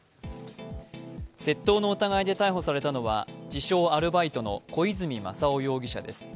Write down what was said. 窃盗の疑いで逮捕されたのは自称・アルバイトの小泉雅夫容疑者です。